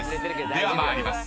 では参ります］